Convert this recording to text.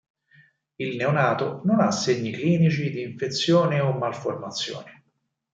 Il neonato non ha segni clinici di infezione o malformazioni.